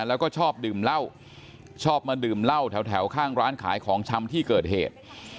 แล้วก็ชอบดื่มเหล้าชอบมาดื่มเหล้าแถวข้างร้านขายของชำที่เกิดเหตุ